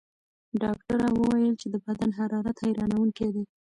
ډاکټره وویل چې د بدن حرارت حیرانوونکی دی.